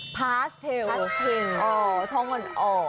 พาสเทลอ่อทองอ่อน